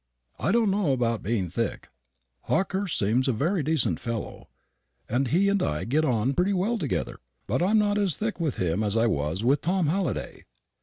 "I don't know about being 'thick.' Hawkehurst seems a very decent young fellow, and he and I get on pretty well together. But I'm not as 'thick' with him as I was with Tom Halliday."